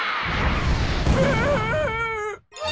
うわ。